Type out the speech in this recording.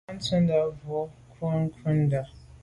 Ntan ntshètndà boa nko’ndà.